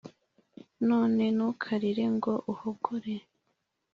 None ntukarire ngo uhogore